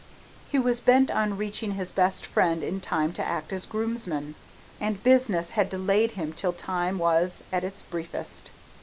He was bent on reaching his best friend in time to act as groomsman, and business had delayed him till time was at its briefest.